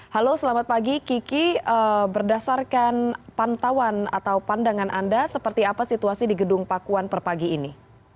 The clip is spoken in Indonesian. halo selamat pagi kiki berdasarkan pantauan atau pandangan anda seperti apa situasi di gedung pakuan per pagi ini